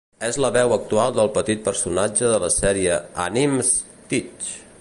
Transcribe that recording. És la veu actual del petit personatge de la sèrie anime Stitch!